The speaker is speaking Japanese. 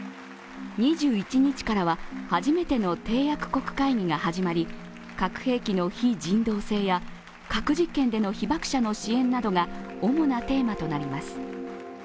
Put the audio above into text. ２１日からは初めての締約国会議が始まり、核兵器の非人道性や核実験での被爆者の支援などが主なテーマとなります。